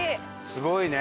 すごいね！